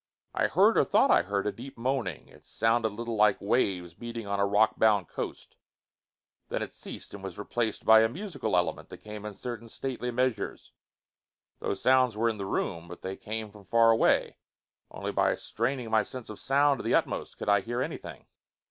I heard, or thought I heard, a deep moaning. It sounded a little like waves beating on a rockbound coast. Then it ceased and was replaced by a musical element that came in certain stately measures. Those sounds were in the room, but they came from far away; only by straining my sense of sound to the utmost could I hear anything.